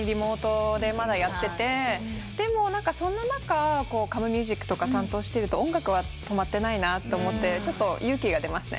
でもそんな中Ｃｏｍｅｍｕｓｉｃとか担当してると音楽は止まってないなと思ってちょっと勇気が出ますね。